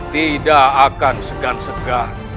tidak akan segan segan